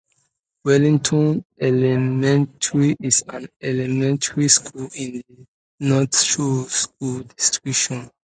Wellington Elementary is an elementary school in the Northshore School District.